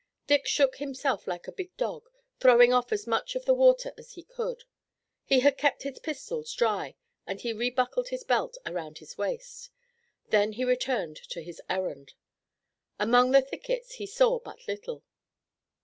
Dick shook himself like a big dog, throwing off as much of the water as he could. He had kept his pistols dry and he rebuckled his belt around his waist. Then he returned to his errand. Among the thickets he saw but little.